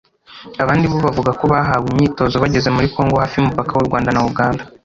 abandi bo bavuga ko bahawe imyitozo bageze muri Congo hafi y’umupaka w’u Rwanda na Uganda